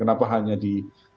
kenapa hanya di